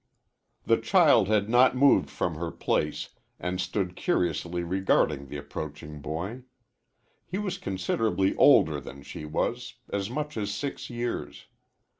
The child had not moved from her place, and stood curiously regarding the approaching boy. He was considerably older than she was, as much as six years.